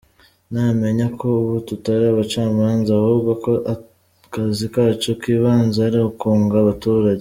Namenye ko ubu tutari abacamanza, ahubwo ko akazi kacu k’ibanze ari ukunga abaturage.